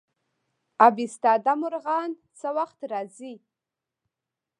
اب ایستاده مرغان څه وخت راځي؟